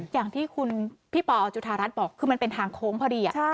อย่างที่คุณพี่ปอจุธารัฐบอกคือมันเป็นทางโค้งพอดี